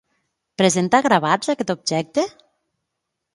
Presenta gravats, aquest objecte?